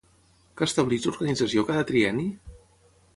Què estableix l'organització cada trienni?